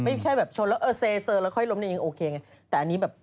แค่แบบชนแล้วเออเซอร์แล้วค่อยล้มเนี่ยยังโอเคไงแต่อันนี้แบบ